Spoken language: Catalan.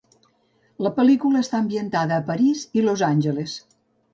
La pel·lícula està ambientada a París i Los Angeles.